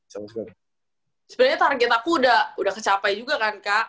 sebenarnya target aku udah kecapai juga kan kak